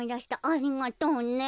ありがとうね。